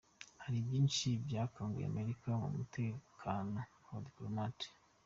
Hari byinshi byakanguye Amerika ku mutekano w’abadipolomate.